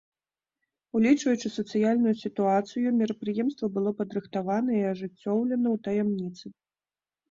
Улічваючы сацыяльную сітуацыю, мерапрыемства было падрыхтавана і ажыццёўлена ў таямніцы.